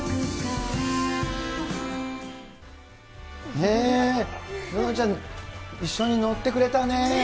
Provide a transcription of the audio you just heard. ねぇ、ののちゃん、一緒に乗ってくれたね。